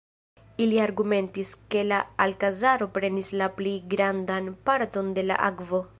Ili argumentis, ke la Alkazaro prenis la pli grandan parton de la akvo.